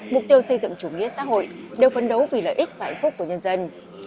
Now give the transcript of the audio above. mục tiêu xây dựng chủ nghĩa xã hội đều phấn đấu vì lợi ích và hạnh phúc của nhân dân